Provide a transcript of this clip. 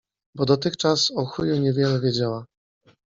Bo dotychczas o chuju niewiele wiedziała -